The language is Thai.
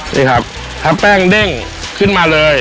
นี่ครับถ้าแป้งเด้งขึ้นมาเลย